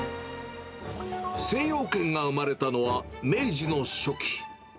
精養軒が生まれたのは、明治の初期。